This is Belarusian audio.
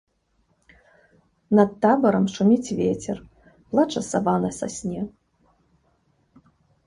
Над табарам шуміць вецер, плача сава на сасне.